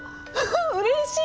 うれしい！